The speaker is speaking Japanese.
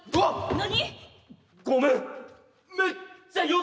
何？